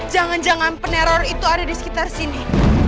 jangan jangan peneror itu ada di sekitar sini